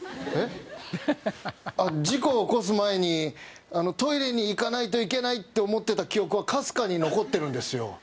えっ？あっ事故起こす前にトイレに行かないといけないって思ってた記憶はかすかに残ってるんですよ